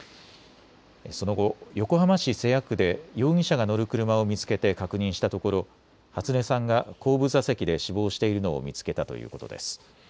その後、横浜市瀬谷区で容疑者が乗る車を見つけて確認したところ初音さんが後部座席で死亡しているのを見つけたということです。